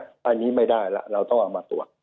อันนี้ไม่ได้แล้วเราต้องเอามาตรวจ